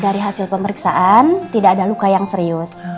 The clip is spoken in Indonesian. dari hasil pemeriksaan tidak ada luka yang serius